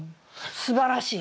すばらしい。